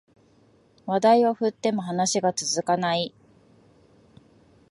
話題を振っても話が続かない